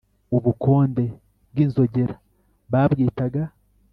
Ubukonde bw inzogera babwitaga